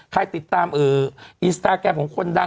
ใครติดตามอินสตาแกรมของคนดัง